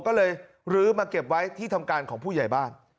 ก็เลยลื้อมาเก็บไว้ที่ทำการของผู้ใหญ่บ้าน